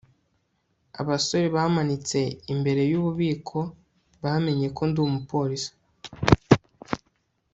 abasore bamanitse imbere yububiko bamenye ko ndi umupolisi